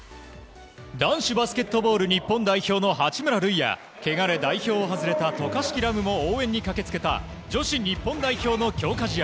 男子バスケットボール日本代表の八村塁やけがで代表を外れた渡嘉敷来夢も応援に駆け付けた女子日本代表の強化試合。